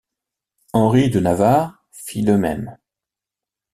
Henri de Navarre fit de même.